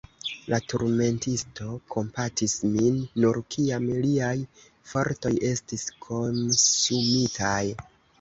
La turmentisto kompatis min, nur kiam liaj fortoj estis komsumitaj.